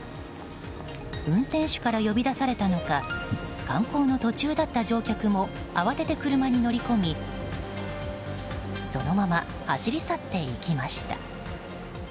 運転手から呼び出されたのか観光の途中だった乗客も慌てて車に乗り込みそのまま走り去っていきました。